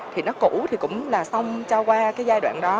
thì nó cũ thì cũng là xong cho qua cái giai đoạn đó